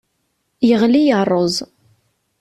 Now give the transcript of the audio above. Yeɣli yerreẓ.